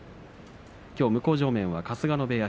きょう向正面は春日野部屋